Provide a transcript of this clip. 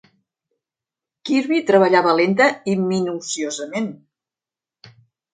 Kirby treballava lenta i minuciosament.